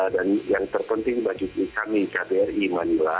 dan yang terpenting baju kini kami kbri manila